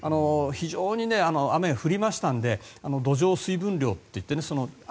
非常に雨、降りましたので土壌水分量っていってね